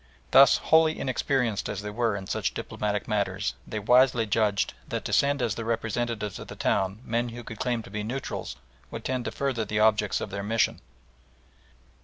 Thus, wholly inexperienced as they were in such diplomatic matters, they wisely judged that to send as the representatives of the town men who could claim to be neutrals would tend to further the objects of their mission.